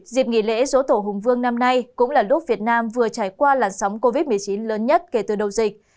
dịp nghỉ lễ dỗ tổ hùng vương năm nay cũng là lúc việt nam vừa trải qua làn sóng covid một mươi chín lớn nhất kể từ đầu dịch